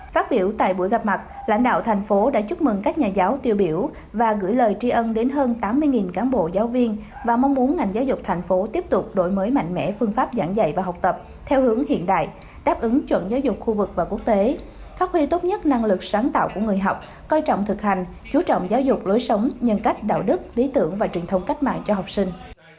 phát biểu tại buổi gặp mặt lãnh đạo thành phố đã chúc mừng các nhà giáo tiêu biểu và gửi lời tri ân đến hơn tám mươi cán bộ giáo viên và mong muốn ngành giáo dục thành phố tiếp tục đổi mới mạnh mẽ phương pháp giảng dạy và học tập theo hướng hiện đại đáp ứng chuẩn giáo dục khu vực và quốc tế phát huy tốt nhất năng lực sáng tạo của người học coi trọng thực hành chú trọng giáo dục lối sống nhân cách đạo đức lý tưởng và truyền thông cách mạng cho học sinh